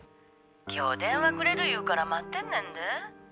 「今日電話くれる言うから待ってんねんで」